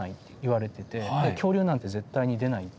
恐竜なんて絶対に出ないって。